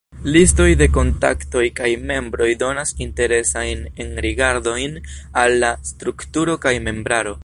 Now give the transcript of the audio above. Listoj de kontaktoj kaj membroj donas interesajn enrigardojn al la strukturo kaj membraro.